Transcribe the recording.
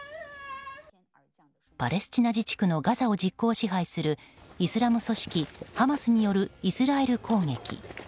パレスチナ自治区のガザを実効支配するイスラム組織ハマスによるイスラエル攻撃。